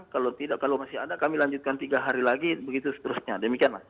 kalau tidak kalau masih ada kami lanjutkan tiga hari lagi begitu seterusnya demikian mas